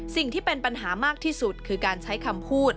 สิ่งที่เป็นปัญหามากที่สุดคือการใช้คำพูด